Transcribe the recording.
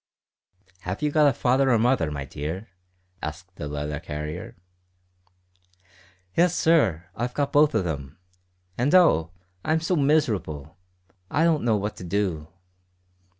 "Have you got a father or mother, my dear?" asked the letter carrier. "Yes, sir; I've got both of 'em. And oh! I'm so miserable. I don't know what to do."